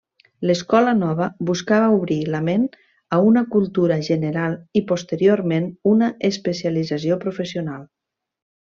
L'escola nova buscava obrir la ment a una cultura general i posteriorment una especialització professional.